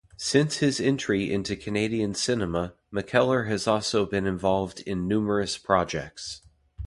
Since his entry into Canadian cinema, McKellar has also been involved in numerous projects.